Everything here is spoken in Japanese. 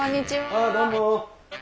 ああどうも。